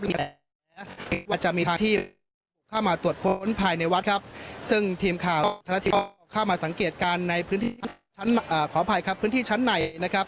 และในวัดจะมีทางที่เข้ามาตรวจค้นภายในวัดครับซึ่งทีมข่าวทรัพย์เข้ามาสังเกตการณ์ในพื้นที่ชั้นในนะครับ